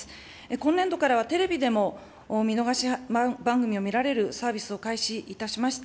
今年度からは、テレビでも見逃し番組を見られるサービスを開始いたしました。